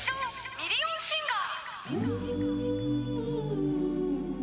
ミリオンシンガー・